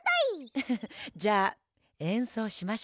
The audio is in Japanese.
ウフフ。じゃあえんそうしましょうか。